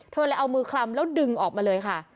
เธอเลยเอามือคลำแล้วดึงออกมาเลยค่ะ